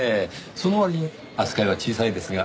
その割に扱いは小さいですが。